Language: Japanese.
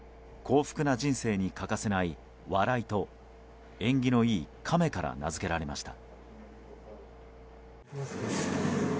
幸福な人生には欠かせない「笑い」と縁起のいい「亀」から名づけられました。